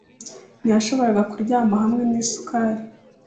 Ntiyashoboraga kuryama hamwe nisukari